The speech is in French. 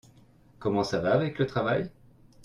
Comment ça va avec le travail ?